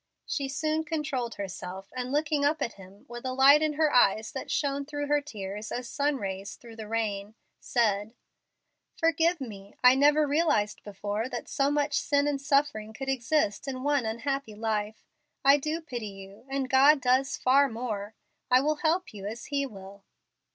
She soon controlled herself, and looking up at him, with a light in her eyes that shone through her tears as sun rays through the rain, said, "Forgive me. I never realized before that so much sin and suffering could exist in one unhappy life. I do pity you, as God does far more. I will help you as He will."